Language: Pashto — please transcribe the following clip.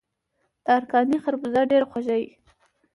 د ارکاني خربوزه ډیره خوږه وي.